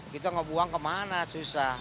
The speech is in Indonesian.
kita ngebuang kemana susah